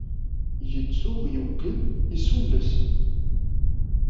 Yettuɣ yugged i sulles.